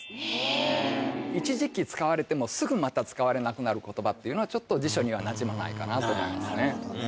一時期使われてもすぐまた使われなくなる言葉というのはちょっと辞書にはなじまないかなと思いますね。